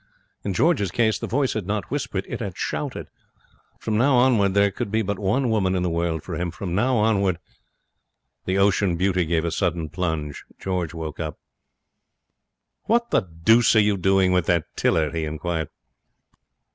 In George's case the voice had not whispered; it had shouted. From now onward there could be but one woman in the world for him. From now onwards The Ocean Beauty gave a sudden plunge. George woke up. 'What the deuce are you doing with that tiller?' he inquired.